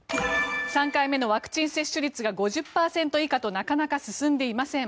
３回目のワクチン接種率が５０％以下となかなか進んでいません。